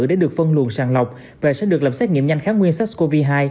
để được phân luồn sàng lọc và sẽ được làm xét nghiệm nhanh kháng nguyên sách covid hai